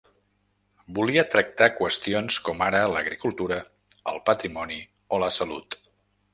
Volia tractar qüestions com ara l’agricultura, el patrimoni o la salut.